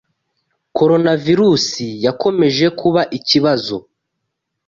Coronavirus yakomeje kuba ikibazo.